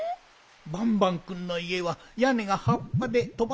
バンバンくんのいえはやねがはっぱでとばされやすいからね。